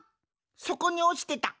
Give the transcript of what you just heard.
そこにおちてた。